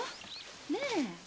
ねえ？